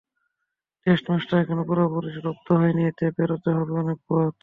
Test ম্যাচটা এখনো পুরোপুরি রপ্ত হয়নি, এতে পেরোতে হবে অনেক পথ।